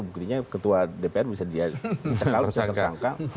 buktinya ketua dpr bisa dia cekal bisa tersangka